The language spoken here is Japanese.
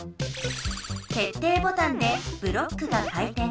けっていボタンでブロックが回転。